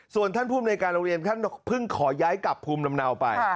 ส่วนท่านภูมิในการโรงเรียนท่านเพิ่งขอย้ายกลับภูมิลำเนาไป